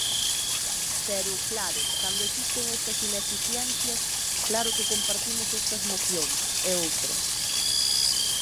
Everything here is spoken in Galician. Pero, claro, cando existen estas ineficiencias, claro que compartimos estas mocións, e outras.